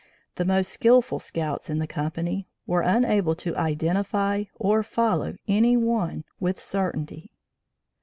The most skilful scouts in the company were unable to identify or follow any one with certainty.